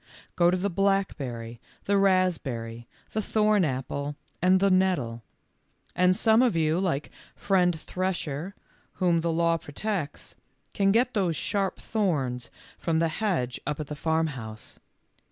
Go to the blackberry, the raspberry, the thorn apple, and the nettle ; and some of you, like friend Thresher, whom the law protects, can get those sharp thorns from the hedge up at the farmhouse.